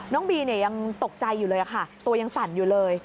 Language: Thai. น้องบียังตกใจอยู่เลยค่ะตัวยังสั่นอยู่เลย